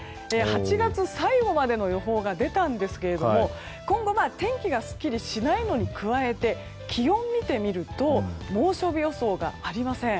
８月最後までの予報が出たんですが今後、天気がすっきりしないのに加えて気温を見てみると猛暑日予想がありません。